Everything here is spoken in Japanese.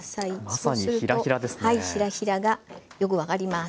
そうするとヒラヒラがよく分かります。